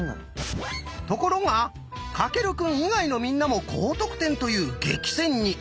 ところが翔くん以外のみんなも高得点という激戦に。